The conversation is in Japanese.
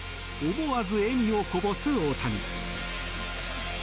思わず笑みをこぼす大谷。